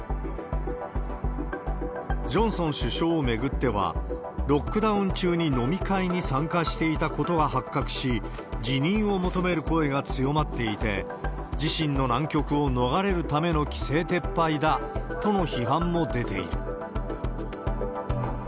ジョンソン首相を巡っては、ロックダウン中に飲み会に参加していたことが発覚し、辞任を求める声が強まっていて、自身の難局を逃れるための規制撤廃だとの批判も出ている。